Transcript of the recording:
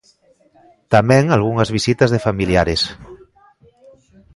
Tamén algunhas visitas de familiares.